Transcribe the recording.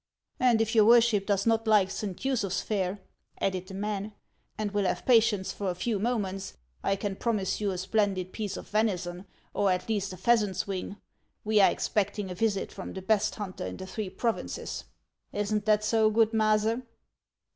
" And if your worship does not like Saint Usuph's 1 fare," added the man, " and will have patience for a few moments, 1 can promise you a splendid piece of venison, or at least a pheasant's wing. We are expecting a visit from the best hunter in the three provinces. Is n't that so, good Maase ?